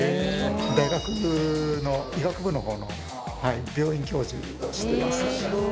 大学の医学部の方の病院教授をしています。